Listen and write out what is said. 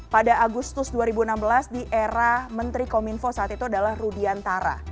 pada agustus dua ribu enam belas di era menteri kominfo saat itu adalah rudiantara